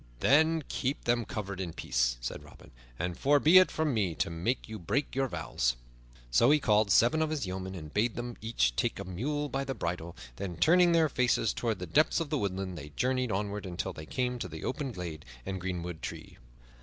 "Then keep them covered in peace," said Robin, "and far be it from me to make you break your vows." So he called seven of his yeomen and bade them each one take a mule by the bridle; then, turning their faces toward the depths of the woodlands, they journeyed onward until they came to the open glade and the greenwood tree.